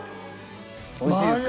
美味しいですか？